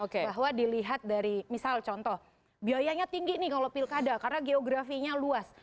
bahwa dilihat dari misal contoh biayanya tinggi nih kalau pilkada karena geografinya luas